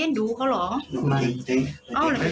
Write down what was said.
หนังนับ